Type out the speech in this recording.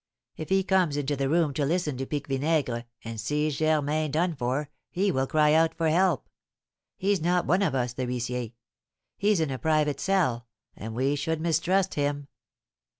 If he comes into the room to listen to Pique Vinaigre, and sees Germain done for, he will cry out for help. He's not one of us, the huissier, he's in a private cell, and we should mistrust him."